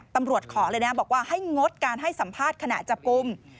ขอเลยนะบอกว่าให้งดการให้สัมภาษณ์ขณะจับกลุ่ม